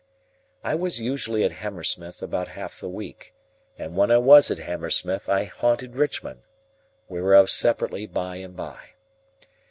I was usually at Hammersmith about half the week, and when I was at Hammersmith I haunted Richmond, whereof separately by and by.